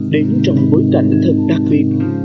đến trong bối cảnh thật đặc biệt